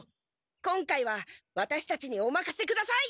今回はワタシたちにおまかせください！